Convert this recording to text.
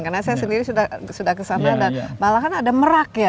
karena saya sendiri sudah kesana dan malah kan ada merak ya